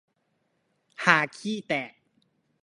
ฮาขี้แตก